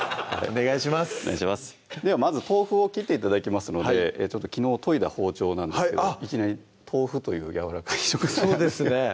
お願いしますではまず豆腐を切って頂きますので昨日研いだ包丁なんですけどはいあっいきなり豆腐というやわらかい食材そうですね